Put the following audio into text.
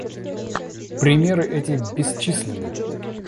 Примеры эти бесчисленны.